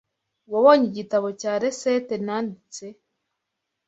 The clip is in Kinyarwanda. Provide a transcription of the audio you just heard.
Wabonye igitabo cya resept nanditse?